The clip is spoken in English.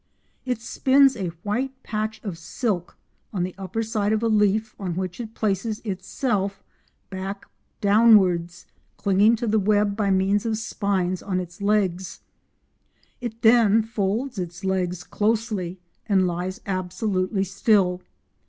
It spins a white patch of silk on the upper side of a leaf on which it places itself back downwards, clinging to the web by means of spines on its legs. It then folds its legs closely and lies absolutely still.